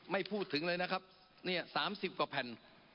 ไม่พูดถึงเลยนะครับเนี่ย๓๐กว่าแผ่น